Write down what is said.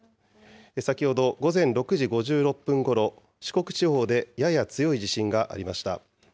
先ほど午前６時５６分ごろ、四国地方でやや強い地震がありました。